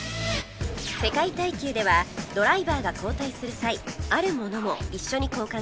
世界耐久ではドライバーが交代する際あるものも一緒に交換します